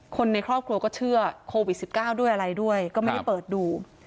คนในครอบครัวก็เชื่อโควิด๑๙ด้วยอะไรด้วยก็ไม่ได้เปิดดู